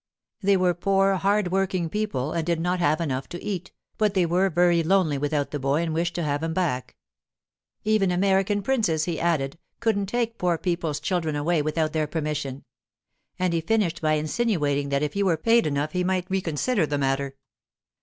They were poor, hard working people and did not have enough to eat, but they were very lonely without the boy and wished to have him back. Even American princes, he added, couldn't take poor people's children away without their permission. And he finished by insinuating that if he were paid enough he might reconsider the matter.